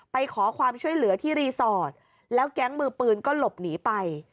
ไปขอความช่วยเหลือที่รีสอร์ทแล้วแก๊งมือปืนก็หลบหนีไป